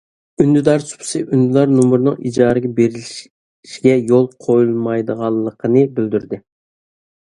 ئۈندىدار سۇپىسى ئۈندىدار نومۇرىنىڭ ئىجارىگە بېرىشكە يول قويۇلمايدىغانلىقىنى بىلدۈرىدۇ.